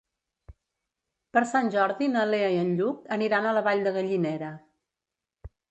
Per Sant Jordi na Lea i en Lluc aniran a la Vall de Gallinera.